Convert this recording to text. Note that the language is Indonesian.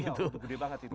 iya udah gede banget itu